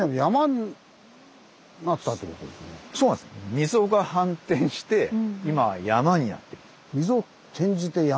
溝が反転して今は山になっている。